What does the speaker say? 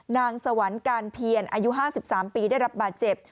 นางสวรรค์การเพียรอายุ๕๓ปีได้รับบาดเจ็บ